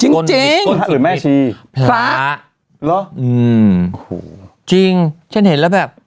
จริงจริงฮะหรือแม่ชีพระเหรออืมโอ้โหจริงฉันเห็นแล้วแบบ